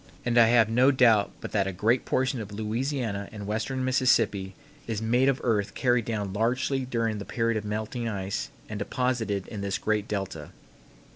And I have no doubt but that a great portion of Louisiana and western Mississippi is made of earth carried down largely during the period of melting ice and deposited in this great delta.